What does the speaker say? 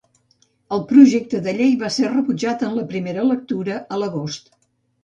El projecte de llei va ser rebutjat en la primera lectura a l'agost.